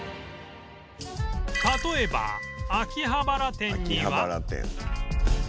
例えば秋葉原店には